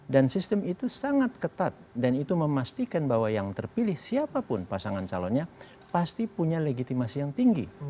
dan sistem itu sangat ketat dan itu memastikan bahwa yang terpilih siapapun pasangan calonnya pasti punya legitimasi yang tinggi